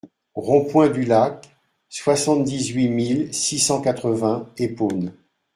Rond Point Point du Lac, soixante-dix-huit mille six cent quatre-vingts Épône